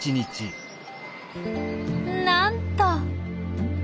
なんと！